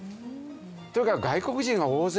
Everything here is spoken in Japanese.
とにかく外国人が大勢